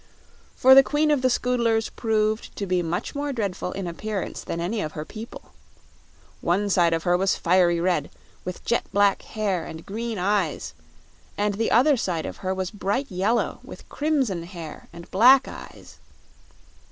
For the Queen of the Scoodlers proved to be much more dreadful in appearance than any of her people. One side of her was fiery red, with jet black hair and green eyes and the other side of her was bright yellow, with crimson hair and black eyes.